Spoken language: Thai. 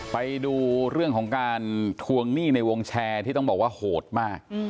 ไปดูเรื่องของการทวงหนี้ในวงแชร์ที่ต้องบอกว่าโหดมาก